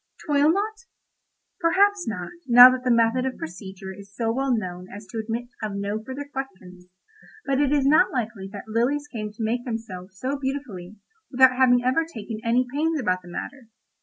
"Toil not?" Perhaps not, now that the method of procedure is so well known as to admit of no further question—but it is not likely that lilies came to make themselves so beautifully without having ever taken any pains about the matter.